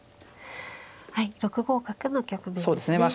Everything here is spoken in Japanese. はい６五角の局面ですね。